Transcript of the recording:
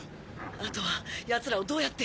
あとは奴らをどうやって。